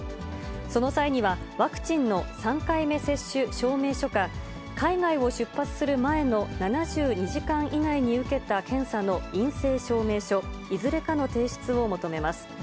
その際には、ワクチンの３回目接種証明書か、海外を出発する前の７２時間以内に受けた検査の陰性証明書、いずれかの提出を求めます。